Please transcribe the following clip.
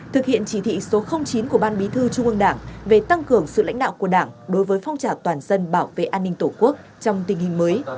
thực hiện chỉ thị số chín của ban bí thư trung ương đảng về tăng cường sự lãnh đạo của đảng đối với phong trào toàn dân bảo vệ an ninh tổ quốc trong tình hình mới